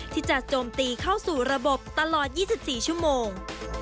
โจมตีเข้าสู่ระบบตลอด๒๔ชั่วโมง